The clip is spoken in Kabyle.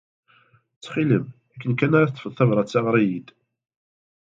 Ttxil-m, akken kan ara d-teḍḍfed tabṛat-a, ɣer-iyi-d.